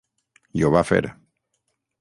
I ho va fer.